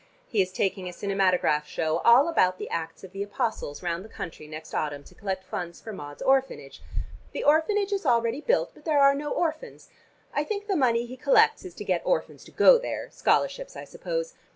He is taking a cinematograph show, all about the Acts of the Apostles, round the country next autumn to collect funds for Maud's orphanage. The orphanage is already built, but there are no orphans. I think the money he collects is to get orphans to go there, scholarships I suppose.